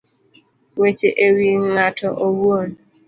Weche e wi ng'ato owuon